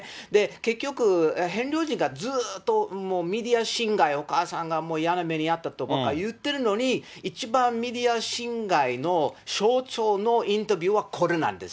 結局、ヘンリー王子がずーっともう、メディア侵害、お母さんがもう嫌な目に遭ったとか言ってるのに、一番、メディア侵害の象徴のインタビューはこれなんです。